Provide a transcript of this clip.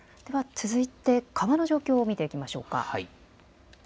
では続いて、風の状況見ていきましょうか。